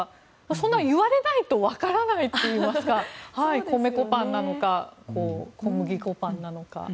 そんなに言われないとわからないといいますか米粉パンなのか小麦粉パンなのか。